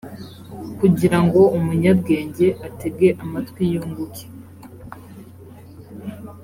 kugira ngo umunyabwenge atege amatwi yunguke